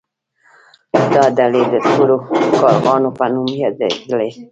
دا ډلې د تورو کارغانو په نوم یادیدلې.